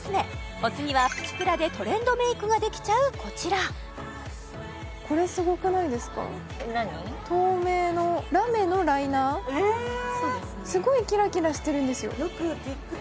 お次はプチプラでトレンドメイクができちゃうこちら透明のラメのライナーすごいキラキラしてるんですよ